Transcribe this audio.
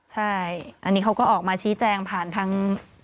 ใช่อันนี้เขาก็ออกมาชี้แจงผ่านทาง